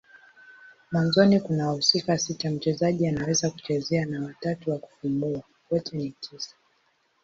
Mwanzoni kuna wahusika sita mchezaji anaweza kuchezea na watatu wa kufumbua. Wote ni tisa.